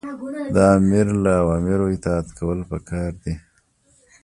د آمر له اوامرو اطاعت کول پکار دي.